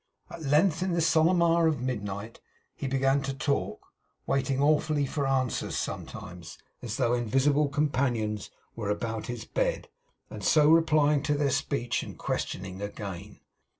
At length, in the solemn hour of midnight, he began to talk; waiting awfully for answers sometimes; as though invisible companions were about his bed; and so replying to their speech and questioning again.